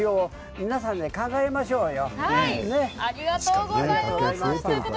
皆さんで考えましょうよ。